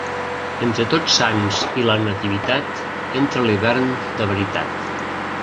Entre Tots Sants i la Nativitat entra l'hivern de veritat.